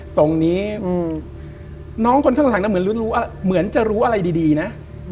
ทรงนี้น้องคนข้างเหมือนจะรู้อะไรดีนะ